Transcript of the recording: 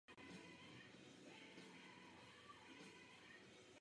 S fotbalem začínal v Brně.